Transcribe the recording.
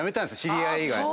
知り合い以外。